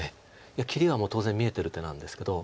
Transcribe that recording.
切りは当然見えてる手なんですけど。